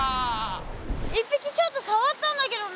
１ぴきちょっとさわったんだけどな。